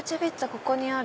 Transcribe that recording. ここにある。